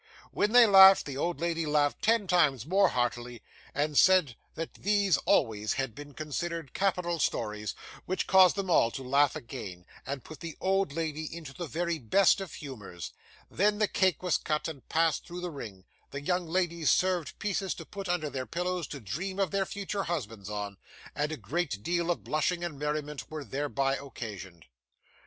When they laughed, the old lady laughed ten times more heartily, and said that these always had been considered capital stories, which caused them all to laugh again, and put the old lady into the very best of humours. Then the cake was cut, and passed through the ring; the young ladies saved pieces to put under their pillows to dream of their future husbands on; and a great deal of blushing and merriment was thereby occasioned.